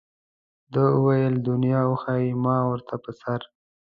ده وویل دنیا وښیه ما ورته په سر.